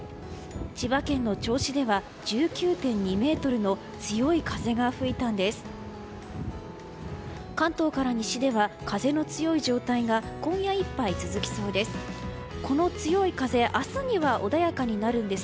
千葉県の銚子では１９．２メートルの強い風が吹いたんです。